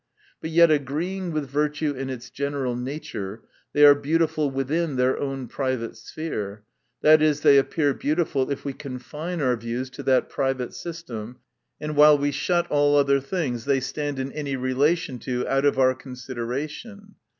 But yet agreeing with virtue in its general nature, they are beautiful within their own private sphere, i. e., they appear beautiful if we confine our views to that private system, and while we shut all other things they stand in any relation to out of our consideration.